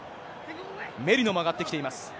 メリーノも上がってきています。